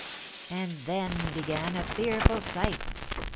"And then began a fearful sight!